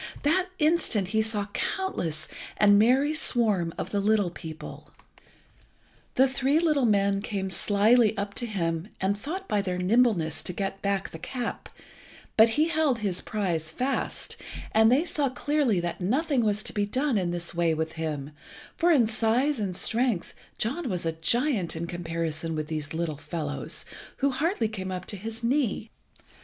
that instant he saw the countless and merry swarm of the little people. The three little men came slily up to him, and thought by their nimbleness to get back the cap, but he held his prize fast, and they saw clearly that nothing was to be done in this way with him, for in size and strength John was a giant in comparison with these little fellows, who hardly came up to his knee.